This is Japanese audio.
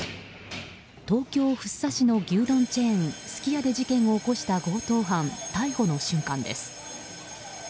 東京・福生市の牛丼チェーンすき家で事件を起こした強盗犯逮捕の瞬間です。